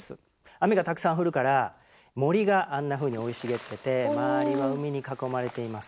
雨がたくさん降るから森があんなふうに生い茂ってて周りは海に囲まれています。